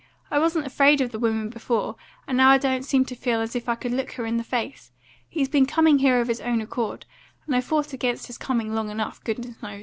I wasn't afraid of the woman before, but now I don't seem to feel as if I could look her in the face. He's been coming here of his own accord, and I fought against his coming long enough, goodness knows.